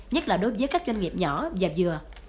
nhất là đối với các doanh nghiệp nhỏ và vừa